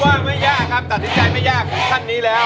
ว่าไม่ยากครับตัดสินใจไม่ยากของท่านนี้แล้ว